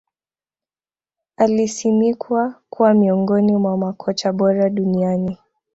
Alisimikwa kuwa miongoni mwa makocha bora duniani